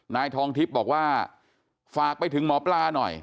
นายทองทิพย์บอกว่าฝากไปถึงหมอปลาหน่อย